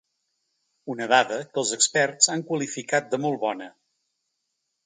Una dada, que els experts, han qualificat de molt bona.